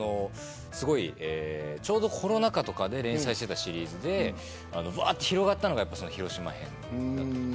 ちょうどコロナ禍とかで連載していたシリーズでわっと広がったのが広島編だった。